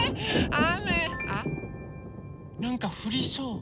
あっなんかふりそう。